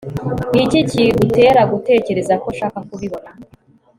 niki kigutera gutekereza ko nshaka kubibona